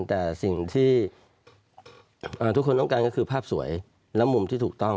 แต่สิ่งที่ทุกคนต้องการก็คือภาพสวยและมุมที่ถูกต้อง